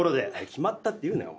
決まったって言うなよ。